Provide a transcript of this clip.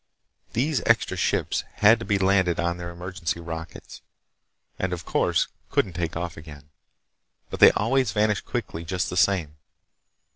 These extra ships had to be landed on their emergency rockets, and, of course, couldn't take off again, but they always vanished quickly just the same.